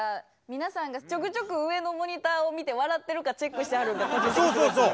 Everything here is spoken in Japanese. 皆さんがちょくちょく上のモニターを見て笑ってるかチェックしてはるんが個人的にすごいツボです。